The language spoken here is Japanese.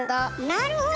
なるほど！